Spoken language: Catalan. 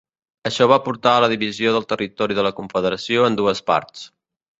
Això va portar a la divisió del territori de la Confederació en dues parts.